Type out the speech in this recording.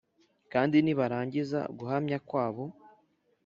Kandi nibarangiza guhamya kwabo,